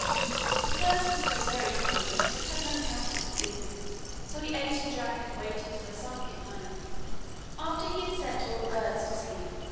The third sister was very kind, but had no counsel to give him, so he ate and drank and waited till her son came home, after he had sent all the birds to sleep.